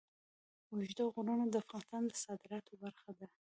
اوږده غرونه د افغانستان د صادراتو برخه ده.